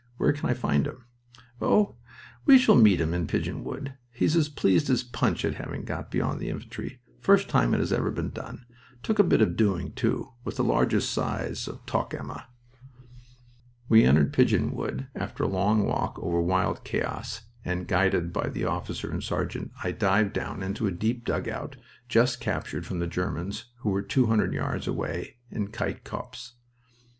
"Where can I find him?" "Oh, we shall meet him in Pigeon Wood. He's as pleased as Punch at having got beyond the infantry. First time it has ever been done. Took a bit of doing, too, with the largest size of Toc emma." We entered Pigeon Wood after a long walk over wild chaos, and, guided by the officer and sergeant, I dived down into a deep dugout just captured from the Germans, who were two hundred yards away in Kite Copse.